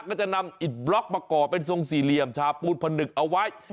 ก็จะนำอิดบล็อกมาก่อเป็นทรงสี่เหลี่ยมชาปูนผนึกเอาไว้